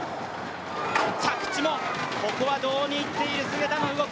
着地も、ここは堂に入っている、菅田の動き。